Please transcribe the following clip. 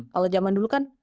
kalau zaman dulu kan